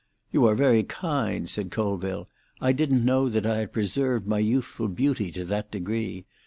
"You are very kind," said Colville. "I didn't know that I had preserved my youthful beauty to that degree.